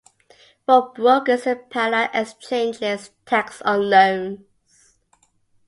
متوازی دارالمبادلہ میں بروکروں کے لیے قرضوں پر محصول